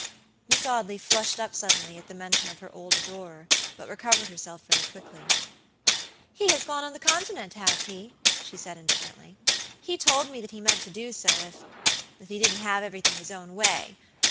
Miss Audley flushed up suddenly at the mention of her old adorer, but recovered herself very quickly. "He has gone on the continent, has he?" she said indifferently. "He told me that he meant to do soifif he didn't have everything his own way.